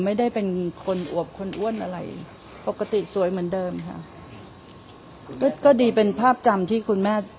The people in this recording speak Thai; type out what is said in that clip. ไม่ได้เป็นคนอวบคนอ้วนอะไรปกติสวยเหมือนเดิมค่ะก็ก็ดีเป็นภาพจำที่คุณแม่